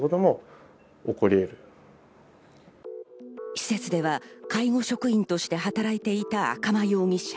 施設では介護職員として働いていた赤間容疑者。